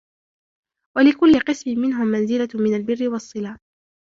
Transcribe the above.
وَلِكُلِّ قِسْمٍ مِنْهُمْ مَنْزِلَةٌ مِنْ الْبِرِّ وَالصِّلَةِ